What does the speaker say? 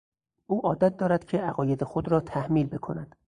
او عادت دارد که عقاید خود را تحمیل بکند.